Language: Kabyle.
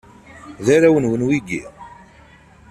D arraw-nwen wigi?